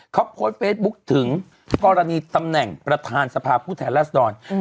เขาโพสต์เฟซบุ๊คถึงกรณีตำแหน่งประธานสภาพผู้แทนรัศดร